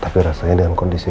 tapi rasanya dengan kondisi